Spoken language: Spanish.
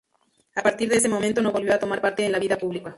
A partir de este momento no volvió a tomar parte en la vida pública.